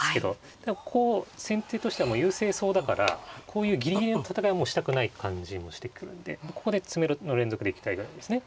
こう先手としては優勢そうだからこういうギリギリの戦いはもうしたくない感じもしてくるんでここで詰めろの連続で行きたいわけですね。